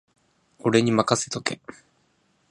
俺にまかせとけ